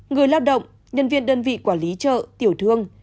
người lao động nhân viên đơn vị quản lý chợ tiểu thương